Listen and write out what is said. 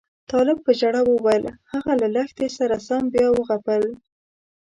طالب په ژړا وویل هغه له لښتې سره سم بیا وغپل.